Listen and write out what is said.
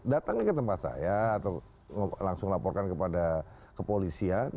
datangnya ke tempat saya atau langsung laporkan kepada kepolisian